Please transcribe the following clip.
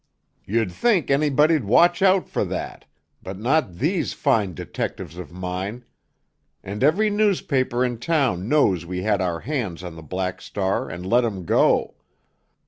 "You'd think anybody'd watch out for that—but not these fine detectives of mine! And every newspaper in town knows we had our hands on the Black Star and let him go.